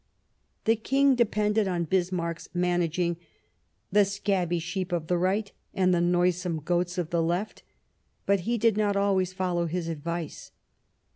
The King 39 Bismarck depended on Bismarck's managing " the scabby sheep of the Right, and the noisome goats of the Left "; but he did not always follow his advice.